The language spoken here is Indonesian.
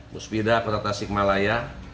musbidah kota tasikmalaya